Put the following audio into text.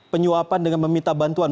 penyuapan dengan meminta bantuan